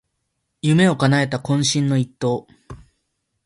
夢をかなえた懇親の一投